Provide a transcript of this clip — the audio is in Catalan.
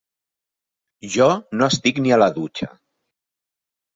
Jo no estic ni a la dutxa.